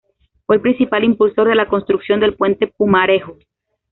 Fue el principal impulsor de la construcción del Puente Pumarejo.